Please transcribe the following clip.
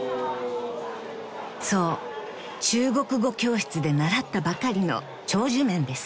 ［そう中国語教室で習ったばかりの長寿麺です］